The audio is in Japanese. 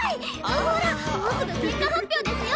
ほらもうすぐ結果発表ですよ！